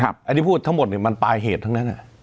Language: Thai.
อันนี้พูดทั้งหมดมันปลายเหตุทั้งนั้น